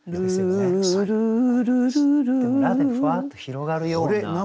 「ルルル」「ラ」でふわっと広がるような。